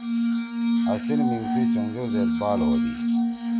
اصیل میِنگ سی چنجو زید بال ہودی۔